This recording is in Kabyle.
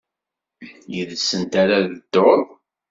Yid-sent ara ad tedduḍ?